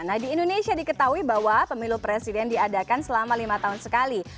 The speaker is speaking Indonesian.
nah di indonesia diketahui bahwa pemilu presiden diadakan selama lima tahun sekali